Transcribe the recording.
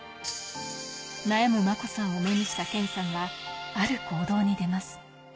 悩む真子さんを目にした謙さんは、ある行動に出ます。